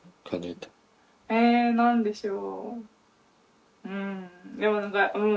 えっ何でしょう。